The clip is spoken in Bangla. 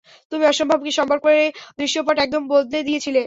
তুমি অসম্ভবকে সম্ভব করে দৃশ্যপট একদম বদলে দিয়েছিলে!